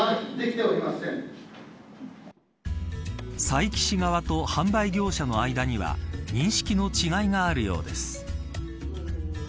佐伯市側と販売業者の間には認識の違いがあるようです。